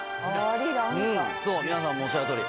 皆さんもおっしゃるとおり